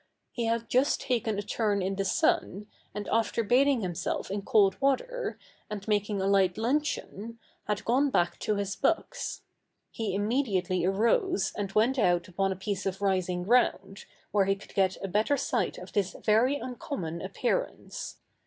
He had just taken a turn in the sun, and, after bathing himself in cold water, and making a light luncheon, had gone back to his books: he immediately arose and went out upon a piece of rising ground, where he could get a better sight of this very uncommon appearance.